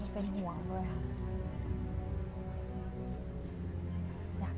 พูดที่จบ